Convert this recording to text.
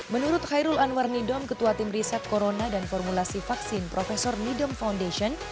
menurut khairul anwar nidom ketua tim riset corona dan formulasi vaksin profesor nidom foundation